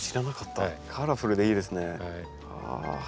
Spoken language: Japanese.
カラフルでいいですね。